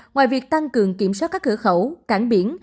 ngoài việc tăng cường kiểm soát các cửa khẩu cảng biển